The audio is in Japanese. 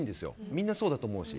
みんなそうだと思うし。